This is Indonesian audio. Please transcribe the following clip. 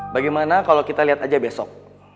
bagaimana kalau kita lihat aja besok